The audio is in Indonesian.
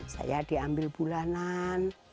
saya diambil bulanan